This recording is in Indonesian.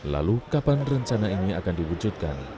lalu kapan rencana ini akan diwujudkan